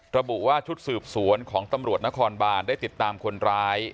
ระบุว่าชุดสืบสวนของตำรวจนครบานได้ติดตามคนร้าย